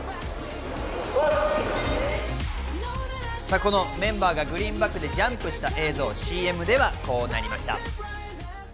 このメンバーがグリーンバックでジャンプした映像、ＣＭではこうなりました。